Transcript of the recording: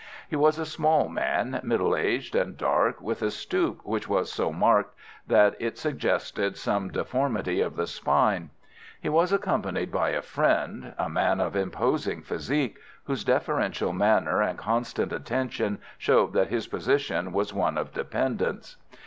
He was a small man, middle aged and dark, with a stoop which was so marked that it suggested some deformity of the spine. He was accompanied by a friend, a man of imposing physique, whose deferential manner and constant attention showed that his position was one of dependence.